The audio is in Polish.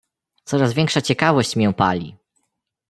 "Coraz większa ciekawość mię pali!"